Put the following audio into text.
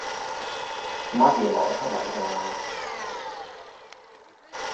乜嘢邏輯嚟㗎？